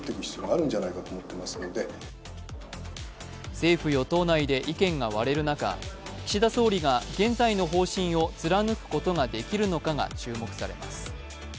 政府・与党内で意見が割れる中、岸田総理が現在の方針を貫くことができるのかが注目されます。